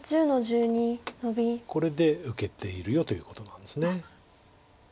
これで受けているよということなんです。